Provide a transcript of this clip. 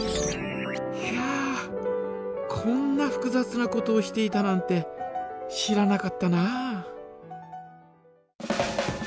こんなふくざつなことをしていたなんて知らなかったなあ。